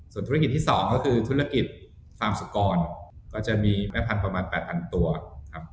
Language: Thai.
ส่วนธุรกิจที่๒ก็คือธุรกิจฟาร์มสุกรก็จะมีแม่พันธุ์ประมาณ๘๐๐ตัวครับ